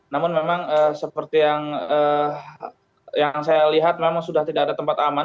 namun memang seperti yang saya lihat memang sudah tidak ada tempat aman